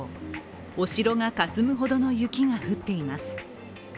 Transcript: お城がかすむほどの雪が降っています。